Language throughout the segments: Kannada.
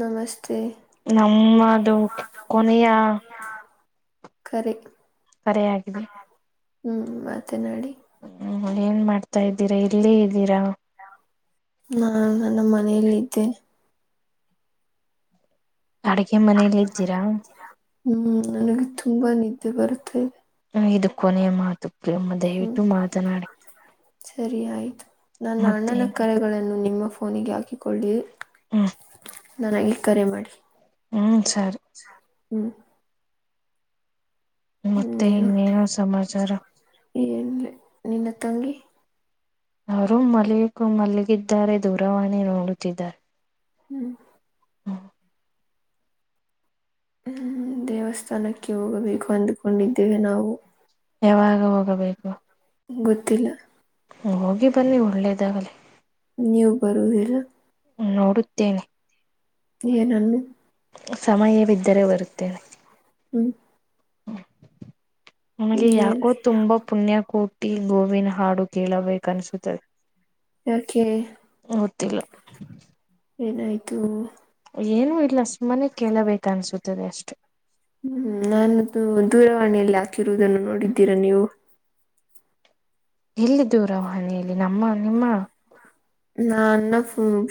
ನಮಸ್ತೆ [inaudible] ನಮ್ಮದು ಕೊನೆಯ ಕರೆ ಕರೆ ಆಗಿದೆ ಹ್ಮ್ ಮತ್ತೆ ನಡಿ ಹ್ಮ್ ಏನ್ ಮಾಡ್ತಾ ಇದ್ದೀರಾ ಇಲ್ಲೇ ಇದ್ದೀರಾ. ನಾ ನನ್ನ ಮನೆಯಲ್ಲಿದ್ದೇನೆ ಅಡಗೆ ಮನೇಲಿ ಇದ್ದೀರಾ. ಹ್ಮ್ ನನಗೆ ತುಂಬಾ ನಿದ್ದೆ ಬರುತ್ತೆಇದೆ. ಇದು ಕೊನೆಯ ಮಾತು ಪ್ರೇಮ ಹ್ಮ್ ದಯವಿಟ್ಟು ಮಾತನಾಡಿ. ಸರಿ ಆಯಿತು ನನ್ನ ಮತ್ತೆ ಅಣ್ಣನ ಕರೆಗಳನ್ನು ನಿಮ್ಮ ಫೋನಿಗೆ ಹಾಕಿಕೊಳ್ಳಿ. ಹ್ಮ್ ನನಗೆ ಕರೆ ಮಾಡಿ ಹ್ಮ್ ಸರಿ ಹ್ಮ್ ಮತ್ತೆ ಇನ್ನೇನೋ ಸಮಾಚಾರ ಏನ್ ಇಲ್ಲೇ ನಿನ್ನ ತಂಗಿ ಅವರು ಮಲಿ ಮಲ್ಲಿಗಿದ್ದಾರೆ ದೂರವಾಣಿ ನೋಡುತ್ತಿದ್ದಾರೆ. ಹ್ಮ್ ಹ್ಮ್ ದೇವಸ್ಥಾನಕ್ಕೆ ಹೋಗಬೇಕು ಅಂದ್ಕೊಂಡಿದ್ದೇವೆ ನಾವು. ಯಾವಾಗ ಹೋಗಬೇಕು. ಗೊತ್ತಿಲ್ಲ ಹೋಗಿ ಬನ್ನಿ ಒಳ್ಳೇದಾಗಲಿ. ನೀವು ಬರುದಿಲ್ಲ ನೋಡುತ್ತೇನೆ. ಏನನ್ನು ಸಮಯವಿದ್ದರೆ ಬರುತ್ತೇನೆ. ಹ್ಮ್ ನಿಮ್ಗೆ ಇನ್ನೇನು ಯಾಕೋ ತುಂಬಾ ಪುಣ್ಯ ಕೂ ಟಿ ಗೋವಿನ್ ಹಾಡು ಕೇಳಬೇಕ ಅನ್ನಿಸುತ್ತಿದೆ. ಯಾಕೆ ಗೊತ್ತಿಲ್ಲ ಏನಾಯ್ತು ಏನು ಇಲ್ಲ ಸುಮ್ಮನೆ ಕೇಳಬೇಕ ಅನ್ಸುತ್ತದೆ ಅಷ್ಟೆ ಹ್ಮ್ ನಾನದು ದೂರವಾಣಿಯಲ್ಲಿ ಹಾಕಿರುವುದನ್ನು ನೋಡಿದ್ದೀರಾ ನೀವು ಎಲ್ಲಿ ದೂರವಾಣಿಯಲ್ಲಿ ನಮ್ಮ ನಿಮ್ಮ ನಾ ಅನ್ನ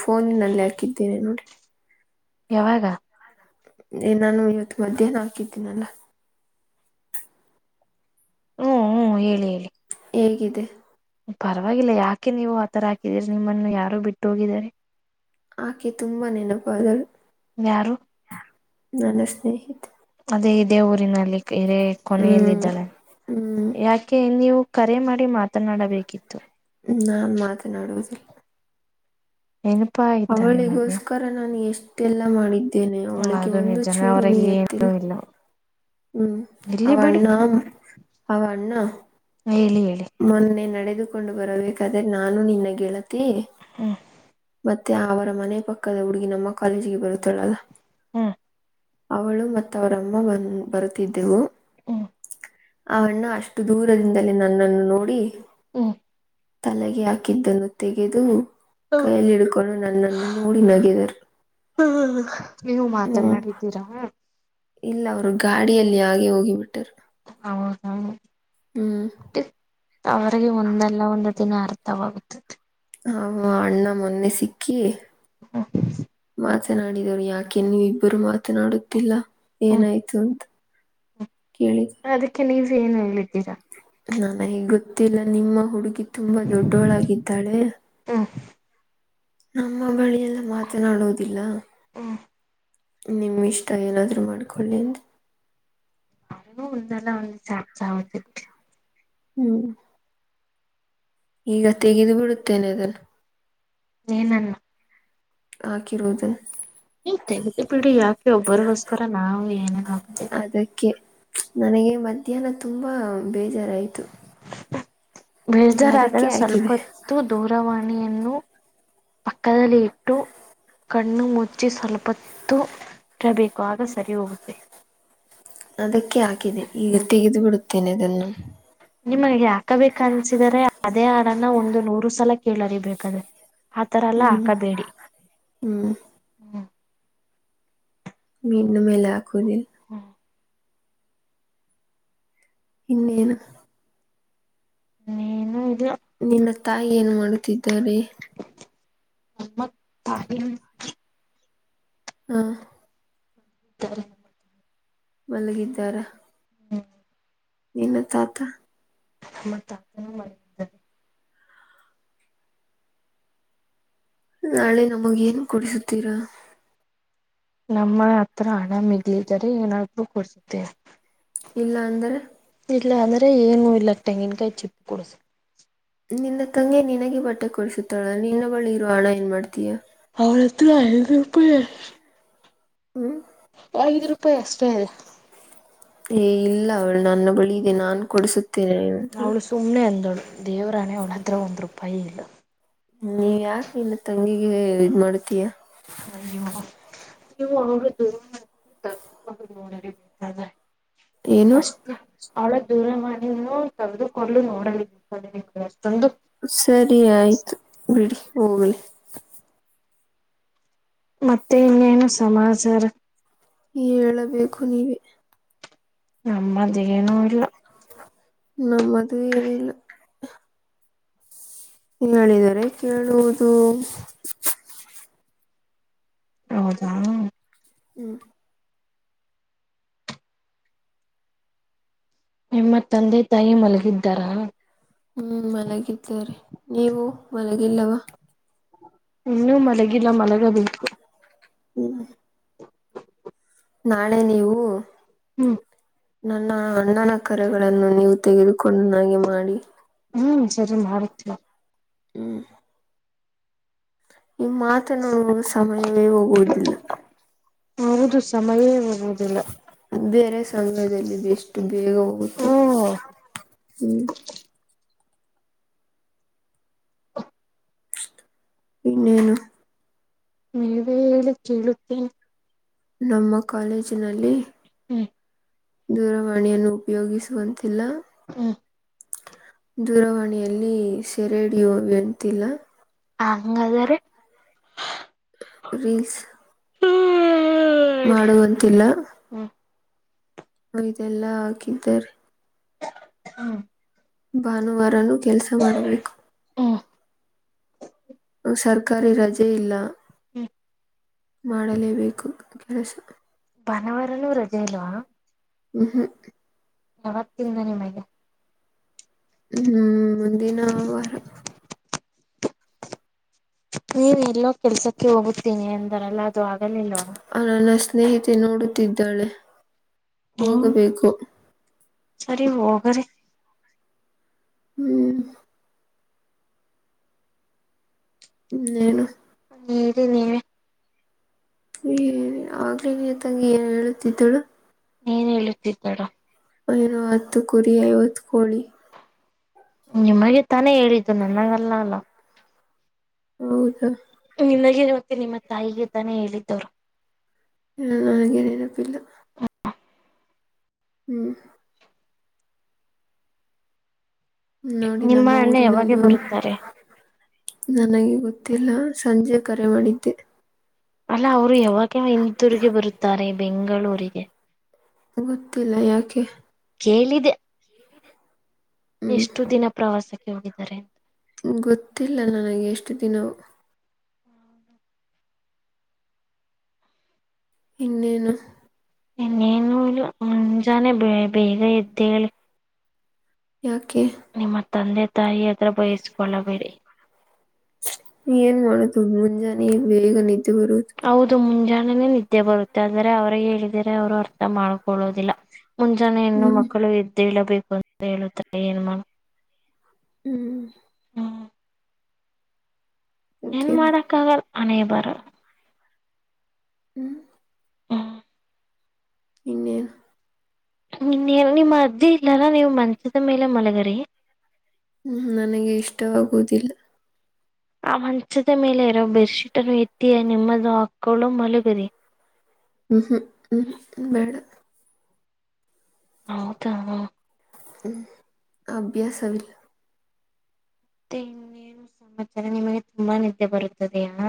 ಫೋನ್ನಲ್ಲಿ ಹಾಕಿದ್ದೇನೆ ನೋಡಿ ಯಾವಾಗ ನಾನು ಇವತ್ತು ಮಧ್ಯಾಹ್ನ ಹಾಕಿದ್ದೀನಲ್ಲಾ ಹ್ಮ್ ಹ್ಮ್ ಹೇಳಿ ಹೇಳಿ ಹೇಗಿದೆ ಪರವಾಗಿಲ್ಲ ಯಾಕೆ ನೀವು ಆತರ ಹಾಕಿದೀರಿ ನಿಮ್ಮನ್ನು ಯಾರು ಬಿಟ್ಟೋಗಿದ್ದಾರೆ ಆಕೆ ತುಂಬಾ ನೆನಪಾದರು ಯಾರು ನನ್ನ ಸ್ನೇಹಿತ ಅದೇ ಇದೇ ಊರಿನಲ್ಲಿ ಹಿರೇ ಕೊನೆಯೆಯಲ್ಲಿ ಹ್ಮ್ ಇದ್ದಾಳೆ ಹ್ಮ್ ಯಾಕೆ ನೀವು ಕರೆ ಮಾಡಿ ಮಾತನಾಡಬೇಕಿತ್ತು ನಾನ್ ಮಾತನಾಡುವುದಿಲ್ಲ ನೆನಪಾಯ ಅವಳಿಗೋಸ್ಕರ ನಾನು ಎಷ್ಟೆಲ್ಲ ಮಾಡಿದ್ದೇನೆ ಅವಳಿಗೆ ಅದು ಒಂದು ನಿಜಾನೇ ಚೂರು ಅವರಿಗೆ ಏನೂ ನೀಯತ್ತಿಲ್ಲ ಇಲ್ಲ ಹ್ಮ್ ಇಲ್ಲಿ ಬಿಡಿ ಅವಣ್ಣ ಅವಣ್ಣ ಹೇಳಿ ಹೇಳಿ ಮೊನ್ನೆ ನಡೆದುಕೊಂಡು ಬರಬೇಕಾದ್ರೆ ನಾನು ನಿನ್ನ ಗೆಳತಿ ಮತ್ ಹ್ಮ್ ಮತ್ತೆ ಅವರ ಮನೆ ಪಕ್ಕದ ಹುಡುಗಿ ನಮ್ಮ ಕಾಲೇಜಿಗೆ ಬರುತ್ತಳಲ್ಲ ಹ್ಮ್ ಅವಳು ಮತ್ ಅವರಮ್ಮ ಬಂದ ಬರುತ್ತಿದ್ದೆವು ಹ್ಮ್ ಅವಣ್ಣ ಅಷ್ಟು ದೂರದಿಂದಲೇ ನನ್ನನ್ನು ನೋಡಿ ಹ್ಮ್ ತಲೆಗೆ ಹಾಕಿದ್ದನ್ನು ತೆಗೆದು ಕೈಯಲ್ಲಿಡ್ಕೊಂಡು ನನ್ನನ್ನು ನೋಡಿ ನಗೆದರು ಹ ನೀವು ಹ್ಮ್ ಮಾತಾನಾಡಿದ್ದೀರಾ ಇಲ್ಲ ಅವರು ಗಾಡಿಯಲ್ಲಿ ಆಗೆ ಹೋಗಿಬಿಟ್ಟರು ಹ ಹಾ ಹ್ಮ್ ಅವರಿಗೆ ಒಂದಲ್ಲ ಒಂದು ದಿನ ಅರ್ಥವಾಗುತ್ತದೆ ಹ ಅಣ್ಣ ಮೊನ್ನೆ ಸಿಕ್ಕಿ ಹಾ ಮಾತನಾಡಿದರು ಯಾಕೆ ನೀವು ಇಬ್ಬರು ಮಾತನಾಡುತ್ತಿಲ್ಲ ಹ್ಮ್ ಏನಾಯ್ತು ಅಂತ ಕೇಳಿ ಅದಕ್ಕೆ ನೀವ್ ಏನು ಹೇಳಿದ್ದೀರಾ ನನಗೆ ಗೊತ್ತಿಲ್ಲ ನಿಮ್ಮ ಹುಡುಗಿ ತುಂಬಾ ದೊಡ್ಡೋಳಾಗಿದ್ದಾಳೆ ಹ ನಮ್ಮ ಬಳಿಯೆಲ್ಲ ಮಾತನಾಡುವುದಿಲ್ಲ ಹಾ ನಿಮ್ಮಿಷ್ಟ ಏನಾದರೂ ಮಾಡ್ಕೊಳ್ಳಿ ಅಂದೆ ಒಂದೆಲ್ಲ ಒಂದ್ ಶಾಿ [unintelligible] ಹ್ಮ್ ಈಗ ತೆಗೆದು ಬಿಡುತ್ತೇನೆ ಅದನ್ನ ಏನನ್ನ ಹಾಕಿರುವುದನ್ನ ಇ ತೆಗೆದು ಬಿಡಿ ಯಾಕೆ ಒಬ್ಬರಿಗೋಸ್ಕರ ನಾವು ಏನೇನ್ ಮಾಡ್ಬೇಕು ಅದಕ್ಕೆ ನನಗೆ ಮಧ್ಯಾಹ್ನ ತುಂಬಾ ಬೇಜಾರಾಯ್ತು ಬೇಜಾರಾದಗ ಹಾಕಿದೆ ಸ್ವಲ್ಪತ್ತು ದೂರವಾಣಿಯನ್ನು ಪಕ್ಕದಲ್ಲಿ ಇಟ್ಟು ಕಣ್ಣು ಮುಚ್ಚಿ ಸ್ವಲ್ಪತ್ತು ಇರಬೇಕು ಆಗ ಸರಿ ಹೋಗುತ್ತೆ ಅದಕ್ಕೆ ಹಾಕಿದೆ ಈಗ ಹ್ಮ್ ತೆಗೆದು ಬಿಡುತ್ತೇನೆ ಅದನ್ನು ನಿಮಗೆ ಹಾಕಬೇಕ ಅನ್ಸಿದರೆ ಅದೇ ಹಾಡನ್ನ ಒಂದು ನೂರು ಸಲ ಕೇಳರಿ ಬೇಕಾದರೆ ಆತರ ಅಲ್ಲಾ ಹ್ಮ್ ಹಾಕಬೇಡಿ ಹ್ಮ್ ಹ್ಮ ಮೀನ್ನು ಮೇಲೆ ಹಾಕುವುದಿಲ್ಲ ಹ್ಮ ಇನ್ನೇನು ನೀನು ಇದಿಯಾ. ನಿನ್ನ ತಾಯಿ ಏನ್ ಮಾಡುತ್ತಿದ್ದಾರೆ. [inaudible] ಹಾ ತ್ತಾರೆ. ಮಲಗಿದ್ದಾರಾ. ನಿನ್ನ ತಾತ. ಮತ್ತ ಆಮೇಲ್ ಮಾಡ. ನಾಳೆ ನಮಗ ಏನ್ ಕುಡಿಸ. ತ್ತೀರಾ. ನಮ್ಮ ಹತ್ರ ಹಣ ಮಿಗ್ಲಿದರೆ ಏನಾದರು ಕೊಡಸತೆ. ಇಲ್ಲ ಅಂದರೆ. ಇಲ್ಲ ಅಂದ್ರೆ ಏನು ಇಲ್ಲ ತೆಂಗಿನಕಾಯಿ ಚಿಪ್ಪ ಕೊಡಸತಿನಿ. ನಿನ್ನ ತಂಗಿ ನಿನಗೆ ಬಟ್ಟೆ ಕೊಡಿಸುತ್ತಾಳ ನಿನ್ನ ಬಳಿ ಇರುವ ಹಣ ಏನ್ ಮಾಡ್ತೀಯಾ. ಅವಳತ್ರ ಐದ ರೂಪೇ ಎಷ್ಟ. ಹ್ಮ್. ಐದು ರೂಪಾಯಿ ಅಷ್ಟೇ. ಏ ಇಲ್ಲ ಅವಳು ನನ್ನ ಬಳಿ ಇದೆ ನಾನ ಕೊಡಿಸುತ್ತೇನೆ. ಅಂತಾಳೆ ಅವಳು ಸುಮ್ನೆ ಅಂದಳು ದೇವರಾಣೇ ಅವಳತ್ರ ಒಂದ್ ರೂಪಾಯಿ ಇಲ್ಲ. ನೀವ್ ಯಾಕ ಇನ್ನು ತಂಗಿಗೆ ಇದ ಮಾಡ್ತೀಯಾ. ಅಯ್ಯೋ ನೀವು [inaudible] ಏನು ಅಷ್ಟು. ಅವಳ ದೂರವಾಣಿಯನ್ನು ತೆಗೆದುಕೊಂಡ ನೋಡಲು ಅಷ್ಟೊಂದು. ಸರಿ ಆಯ್ತು ಬಿಡಿ ಹೋಗಲಿ. ಮತ್ತೆ ಏನು ಸಮಾಚಾರ. ಹೇಳಬೇಕು ನೀವೇ. ನಮ್ಮದೇನೂ ಇಲ್ಲ. ನಮ್ಮದು ಏನಿಲ್ಲ. ನಡೆದೆರೆ ಕೇಳುವುದು. ಹೌದಾ. ಹ್ಮ್ ನಿಮ್ಮ ತಂದೆ ತಾಯಿ ಮಲಗಿದ್ದಾರಾ. ಹ್ಮ್ ಮಲಗಿದ್ದರೆ ನೀವು ಮಲಗಿಲ್ಲವ. ಇನ್ನು ಮಲಗಿಲ್ಲ ಮಲಗ ಬೇಕು. ಹ್ಮ್. [inaudible] ನಾಳೆ ನೀವು. ಹ್ಮ್. ನನ್ನ ಅಣ್ಣನ ಕರೆಗಳನ್ನು ನೀವು ತೆಗೆದುಕೊಂಡು ನನಗೆ ಮಾಡಿ. ಹ್ಮ್ ಸರಿ ಮಾಡುತೆನಿ. ಹ್ಮ್. ಈ ಮಾತನಾಡುವಾಗ ಸಮಯವೇ ಹೋಗುವುದಿಲ್ಲ. ಹೌದು ಸಮಯವೇ ಹೋಗುವದಿಲ್ಲ. ಬೇರೆ ಸಮಯದಲ್ಲಿ ಬೆಷ್ಟು ಬೇಗ ಓ ಹೋಗುತ್ತೆ ಹ್ಮ್. ಇನ್ನೇನು. ನಿವೇ ಹೇಳಿ ಕೇಳುತ್ತೇ. ನಮ್ಮ ಕಾಲೇಜಿನಲ್ಲಿ. ಹ್ಮ್ ದೂರವಾಣಿಯನ್ನು ಉಪಯೋಗಿಸುವಂತಿಲ್ಲ. ಹಾ ದೂರವಾಣಿಯಲ್ಲಿ ಸೆರೆಡಿಯೋ ಎಂತಿಲ್ಲ. ಹಂಗಾದರೆ. ರಿಲ್ಸ್ ಮಾಡುವಂತಿಲ್ಲ. ಹ್ಮ್ ಇದೆಲ್ಲಾ ಹಾಕಿದ್ದಾರೆ. ಹ್ಮ್ ಭಾನುವಾರನು ಕೆಲಸ ಮಾಡಬೇಕು. ಹ್ಮ್ ಸರ್ಕಾರಿ ರಜೆ ಇಲ್ಲ ಹ್ಮ್ ಮಾಡಲೇಬೇಕು ಕೆಲಸ. ಭಾನವಾರನುೂ ರಜೆ ಇಲ್ವಾ. ಹ್ಮ ಹ್ಮ. [unintelligible] ವತ್ತಿಂದ ನಿಮಗೆ. ಹ್ಮ್ ಮುಂದಿನ ವಾರ. ನೀವ್ ಎಲ್ಲೋ ಕೆಲ್ಸಕ್ಕೆ ಹೋಗುತ್ತೀನಿ ಎಂದಾರಲ್ಲ ಅದು ಆಗಲಿಲ್ವ. ಆ ನನ್ನ ಸ್ನೇಹಿತೆ ನೋಡುತ್ತಿದ್ದಾಳೆ ಹ್ಮ್ ಹೋಗಬೇಕು. ಸರಿ ಹೋಗ್ರೀ. ಹ್ಮ್ ಇನ್ನೇನು ಹೇಳಿ ನೀವೇ. ಹ ಆಗ್ಲ ನೀ ತಂಗಿ ಏನ್ ಹೇಳುತ್ತಿದ್ದಳು. ಏನ್ ಹೇಳುತ್ತಿದ್ದರು. ಎನು ಹತ್ತು ಕುರಿ ಐವತ್ತು ಕೋಳಿ. ನಿಮಗೆ ತಾನೇ ಹೇಳಿದ್ದು ನನ್ನಗಲ್ಲ ಅಲ್ಲ. ಹೌದಾ ನಿನಗೆ ಮತ್ತೆ ನಿಮ್ಮ ತಾಯಿಗೆ ತಾನೇ ಹೇಳಿದ್ದವ್ರು. ನನಗೇನೇನಪ್ಪಿಲ್ಲ. ಹ್ಮ್ ನೋಡಿ ನಿಮ್ಮ ನಮ್ಮ ಅಣ್ಣ ಊರಿನಲ್ಲಿ ಯಾವಾಗ ಒಂದು. ಬರುತ್ತಾರೆ [unintelligible] ನನಗೆ ಗೊತ್ತಿಲ್ಲ ಸಂಜೆ ಕರೆ ಮಾಡಿದ್ದೆ. ಅಲ್ಲ ಅವ್ರು ಯಾವಗ ಇಂತೂರಿಗೆ ಬರುತ್ತಾರೆ ಬೆಂಗಳೂರಿಗೆ. ಗೊತ್ತಿಲ್ಲ ಯಾಕೆ. ಕೇಳಿದೆೆ ಹ್ಮ್ ಎಷ್ಟು ದಿನ ಪ್ರವಾಸಕ್ಕೆ ಹೋಗಿದ್ದಾರೆ. ಗೊತ್ತಿಲ್ಲ ನನಗೆ ಎಷ್ಟು ದಿನವ. ಇನ್ನೇನು ಇನ್ನೇನು ಮುಂಜಾನೆ ಬ ಬೇಗ ಹೆದ್ದೇಳಿ. ಯಾಕೆ ನಿಮ್ಮ ತಂದೆ ತಾಯಿ ಹತ್ರ ಬಯಸ್ಕೊಳ್ಳಬೇಡಿ. ಏನ್ ಮಾಡುದು ಮುಂಜಾನೆ ಬೇಗ ನಿದ್ದೆ ಬರುದು ಹೌದು ಮುಂಜಾನೆನೆೇ ನಿದ್ದೆ ಬರುತ್ತೆ ಆದ್ರೆ ಅವ್ರಿಗೆ ಹೇಳಿದರೆ ಅವ್ರು ಅರ್ಥ ಮಾಡ್ಕೊಳ್ಳೋದಿಲ್ಲ. ಮುಂಜಾನೆ ಹೆಣ್ಣು ಹ್ಮ್ ಮಕ್ಕಳು ಎದ್ದಳಬೇಕು ಅಂತ ಹೇಳುತ್ತಾರೆ ಏನ್ ಮಾಡ ಹ್ಮ್ ಹ್ಮ್ ಏನ್ ಓಕೆ ಮಾಡಕ್ಕ ಆಗಲ್ಲ ಹಣೆ ಬರ. ಹ್ಮ್ ಹ್ಮ್ ಇನ್ನೇನು ನಿನ್ನೇನು ನಿಮ್ಮ ಅಜ್ಜಿ ಇಲ್ಲಲ್ಲ ನೀವು ಮಂಚದ ಮೇಲೆ ಮಲಗರಿ ಹ್ಮ್ ನನಗೆ ಇಷ್ಟವಾಗುವುದಿಲ್ಲ. ಆ ಮಂಚದ ಮೇಲೆ ಇರೋ ಬೆಡ್ ಶೀಟ್ ಅನ್ನು ಎತ್ತಿ ನಿಮ್ಮದು ಹಾಕೊಂಡು ಮಲಗರಿ ಹ್ಞ ಹ್ಞೂ ಹ್ ಬೇಡ ಹೌದಾ ಮತ್ತೆ ಹ್ಮ್ ಅಭ್ಯಾಸವಿಲ್ಲ. ಮತ್ತೆ ಇನ್ನೇರು ಸಮಾಚಾರ ನಿಮಗೆ ತುಂಬಾ ನಿದ್ದೆ ಬರುತ್ತದೆಯಲ್ಲ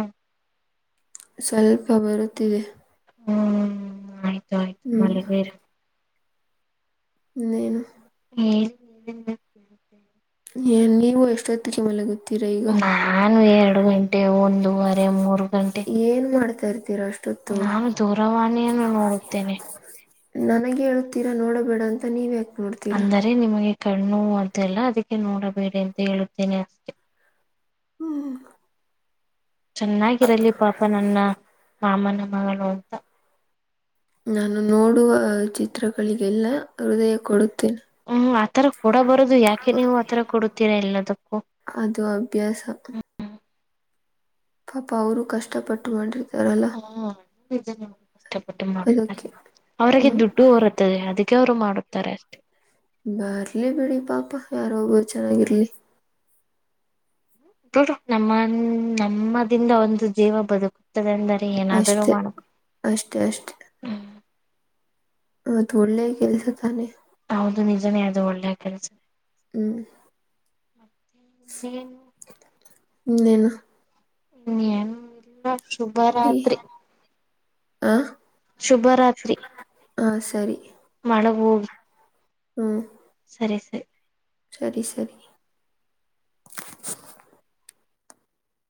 ಸ್ವಲ್ಪ ಬರುತ್ತಿದೆ. ಹ್ಮ್ ಆಯ್ತು ಆಯ್ತು ಹ್ಮ್, ಮಲಗಿರಿ ಇನ್ನೇನು. ಹ್ಮ ಏ ನೀವು ಎಷ್ಟೊತ್ತುಗೇ ಮಲಗುದು ನಾನು ಎರಡು ಗಂಟೆ, ಒಂದೂವರೆ, ಮೂರು ಗಂಟೆ, ಏನ್ ಮಾಡ್ತಾ ಇರ್ತೀರಾ ಅಷ್ಟು ಹೊತ್ ನಾನು ದೂರವಾಣಿಯನ್ನು ನೋಡುತ್ತೇನೆ. ನನಗೆ ಹೇಳುತ್ತೀರಾ ನೋಡಬೇಡ ಅಂತ ನೀವ್ ಯಾಕೆ ನೋಡ್ತೀರ ಅಂದರೆ ನಿಮಗೆ ಕಣ್ಣುನೋವ್ ಅದೆಲ್ಲ ಅದಕ್ಕೆ ನೋಡಬೇಡಿ ಅಂತ ಹೇಳುತ್ತೇನೆ ಅಷ್ಟೇ ಹ್ಮ್ ಚೆನ್ನಾಗಿರಲಿ ಪಾಪ ನನ್ನ ಮಾಮನ ಮಗಳು ಅಂತ. ನಾನು ನೋಡುವ ಚಿತ್ರಗಳಿಗೆಲ್ಲ ಹೃದಯ ಕೊಡುತ್ತೇನೆ. ಹ್ಮ್ ಆತರ ಕೊಡ ಬರದು ಯಾಕೆ ನೀವು ಆತರ ಕೊಡುತ್ತೀರಾ ಎಲ್ಲದಕ್ಕೂ ಅದು ಅಭ್ಯಾಸ. ಪಾಪ ಅವರು ಕಷ್ಟಪಟ್ಟು ಮಾಡೊಂಡಿರ್ತಾರಲ್ಲ. ಹಾ ನಿಜಾ ನಿಜಾ ಕಷ್ಟಪಟ್ಟು ಮಾಡುತ್ತಾರೆ ಅದಕ್ಕೆ. ಅವ್ರರಿಗೆ ಹ್ಮ್, ದುಡ್ಡು ಹೊರುತ್ತದೆ ಅದಕ್ಕೆ ಅವ್ರು ಮಾಡುತ್ತಾರೆ ಅಷ್ಟೆ. ಬರ್ಲಿ ಬಿಡಿ ಪಾಪ ಯಾರೊ ಒಬ್ಬರು ಚೆನ್ನಾಗಿರ್ಲಿ ನಮ್ಮ ನಮ್ಮದಿಂದ ಒಂದು ಜೀವ ಬದುಕುತ್ತದೆ ಅಂದರೆ ಏನಾದರು ಅಷ್ಟೇ, ಮಾಡಕು ಅಷ್ಟೇ.. ಅಷ್ಟೇ.. ಮತ್ ಒಳ್ಳೆಯ ಕೆಲ್ಸ ತಾನೆ ಹೌದು ನಿಜನೇ ಅದು ಒಳ್ಳೆ ಕೆಲ್ಸ ಹ್ಮ ಹ್ಮ ಇನ್ನೇನು ಹನ್ [inaudible] ಹ್ಮ ಹಾ ಶುಭರಾತ್ರಿ. ಹಾ ಸರಿ. ಮಾಡಮ್ಮು ಹ್ಮ್ ಸರಿ ಸರಿ ಸರಿ ಸರಿ